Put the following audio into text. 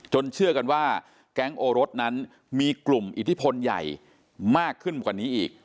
เชื่อกันว่าแก๊งโอรสนั้นมีกลุ่มอิทธิพลใหญ่มากขึ้นกว่านี้อีก